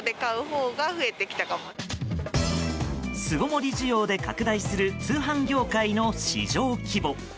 巣ごもり需要で拡大する通販業界の市場規模。